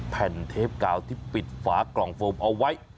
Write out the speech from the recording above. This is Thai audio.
แผ่นเทปกาวที่ปิดฝากล่องโฟมเอาไว้